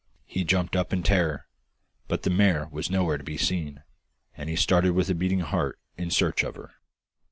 He jumped up in terror, but the mare was nowhere to be seen, and he started with a beating heart in search of her.